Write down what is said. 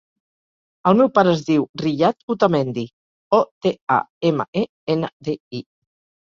El meu pare es diu Riyad Otamendi: o, te, a, ema, e, ena, de, i.